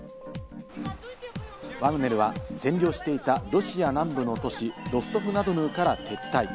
ワグネルは占領していた、ロシア南部の都市・ロストフナドヌーから撤退。